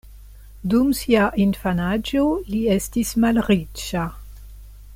Dum sia infanaĝo, li estis malriĉa.